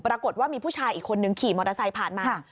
ปรากฏว่ามีผู้ชายอีกคนนึงขี่มอเตอร์ไซค์ผ่านมา